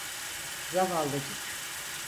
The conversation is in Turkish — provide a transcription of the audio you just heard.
Zavallıcık…